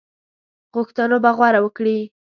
غوښتنو به غور وکړي.